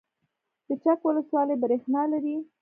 د چک ولسوالۍ بریښنا لري